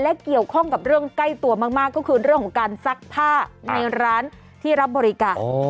และเกี่ยวข้องกับเรื่องใกล้ตัวมากก็คือเรื่องของการซักผ้าในร้านที่รับบริการ